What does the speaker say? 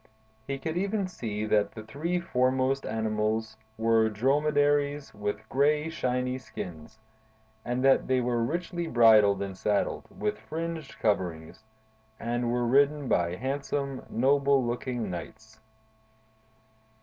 He could even see that the three foremost animals were dromedaries, with gray, shiny skins; and that they were richly bridled and saddled, with fringed coverings, and were ridden by handsome, noble looking knights.